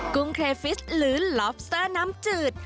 กุ้งเครฟิสหรือลอบสเตอร์น้ำจืด